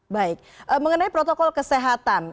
baik mengenai protokol kesehatan